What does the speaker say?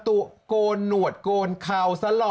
ตัวโกนนนวดโกนคาวสล่อ